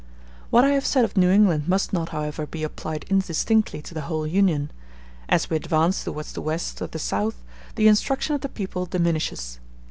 What I have said of New England must not, however, be applied indistinctly to the whole Union; as we advance towards the West or the South, the instruction of the people diminishes.